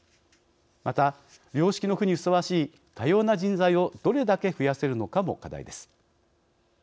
また、良識の府にふさわしい多様な人材をどれだけ増やせるのかも課題です。